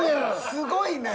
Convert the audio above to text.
すごいね。